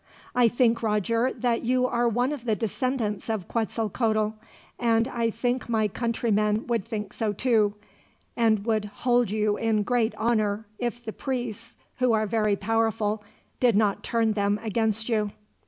"I think, Roger, that you are one of the descendants of Quetzalcoatl; and I think my countrymen would think so, too, and would hold you in great honor, if the priests, who are very powerful, did not turn them against you."